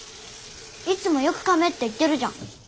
いつもよくかめって言ってるじゃん。